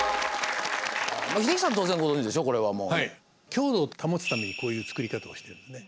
強度を保つためにこういう造り方をしてるんですね。